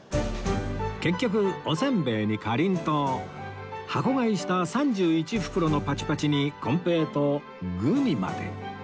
結局おせんべいにかりんとう箱買いした３１袋のパチパチに金平糖グミまで